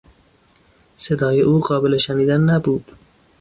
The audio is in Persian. صدای او قابل شنیدن نبود.